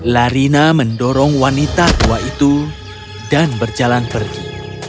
larina mendorong wanita tua itu dan berjalan pergi